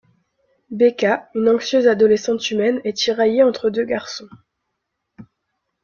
Becca, une anxieuse adolescente humaine, est tiraillée entre deux garçons.